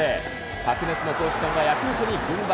白熱の投手戦はヤクルトに軍配。